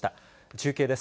中継です。